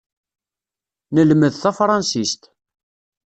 Nemled tafṛansist.